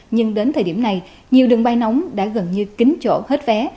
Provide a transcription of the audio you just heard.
nhưng đến thời điểm này nhiều đường bay nóng đã gần như kính chỗ hết vé